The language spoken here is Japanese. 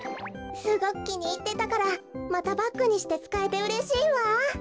すごくきにいってたからまたバッグにしてつかえてうれしいわ！